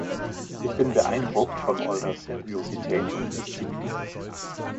Ich bin beeindruckt von eurer Seriosität und Disziplin.